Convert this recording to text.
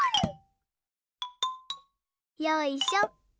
よいしょ。